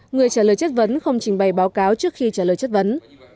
người trả lời chất vấn không trình bày báo cáo trước khi trả lời chất vấn